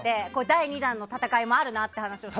第２弾の戦いもあるなっていう話をしてて。